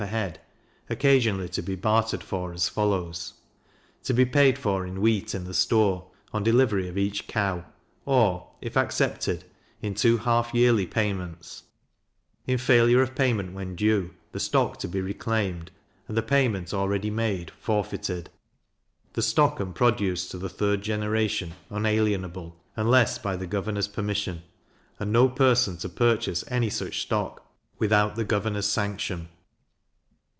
per head, occasionally to be bartered for as follows: To be paid for in wheat into the store, on delivery of each cow, or, if accepted, in two half yearly payments; in failure of payment when due, the stock to be reclaimed, and the payment already made forfeited. The stock and produce to the third generation unalienable, unless by the governor's permission; and no person to purchase any such stock without the governor's sanction.